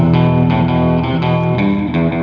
sampai jumpa pak